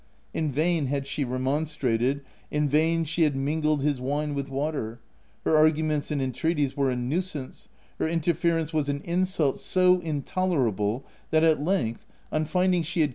In vain had she remonstrated, in vain she had mingled his wine with water : her arguments and entreaties were a nuisance, her interference was an insul so intolerable that at length, on finding she had OF WILDFELL HALL.